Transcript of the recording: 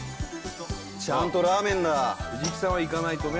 ちゃんとラーメンだ藤木さんはいかないとね